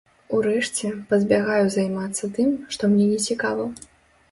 Урэшце, пазбягаю займацца тым, што мне нецікава.